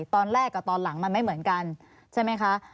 ตอนแรกกับตอนหลังมันไม่เหมือนกันใช่ไหมคะ